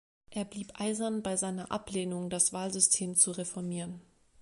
Er blieb eisern bei seiner Ablehnung, das Wahlsystem zu reformieren.